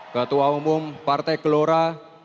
ketua umum partai kelora